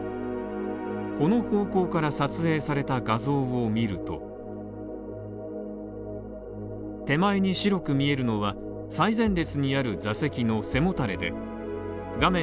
この方向から撮影された画像を見ると手前に白く見えるのは、最前列にある座席の背もたれで画面